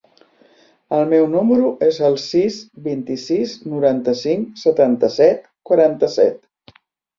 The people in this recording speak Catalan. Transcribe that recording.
El meu número es el sis, vint-i-sis, noranta-cinc, setanta-set, quaranta-set.